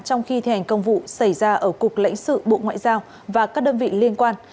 trong khi thi hành công vụ xảy ra ở cục lãnh sự bộ ngoại giao và các đơn vị liên quan